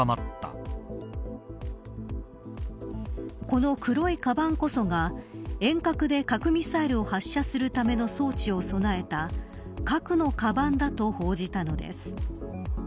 この黒いカバンこそが遠隔で核ミサイルを発射するための装置を備えた核のカバンだと報じたのです。